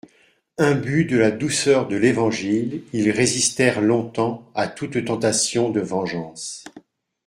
Imbus de la douceur de l'Évangile, ils résistèrent longtemps à toute tentation de vengeance.